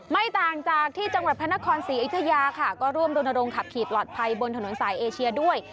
ไม่ต่างจากที่จังหวัดพระนครศรีอยุธยาค่ะก็ร่วมรณรงขับขี่ปลอดภัยบนถนนสายเอเชียด้วย